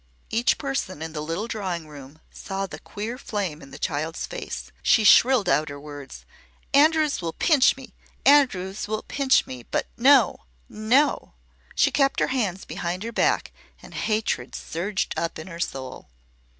Each person in the little drawing room saw the queer flame in the child face. She shrilled out her words: "Andrews will pinch me Andrews will pinch me! But No No!" She kept her hands behind her back and hatred surged up in her soul.